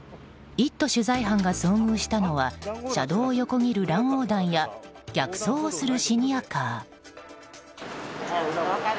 「イット！」取材班が遭遇したのは車道を横切る乱横断や逆走をするシニアカー。